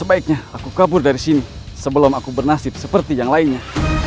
sebaiknya aku kabur dari sini sebelum aku bernasib seperti yang lainnya